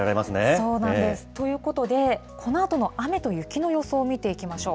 そうなんです。ということで、このあとの雨と雪の予想を見ていきましょう。